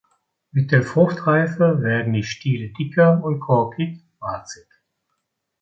Mit der Fruchtreife werden die Stiele dicker und korkig-warzig.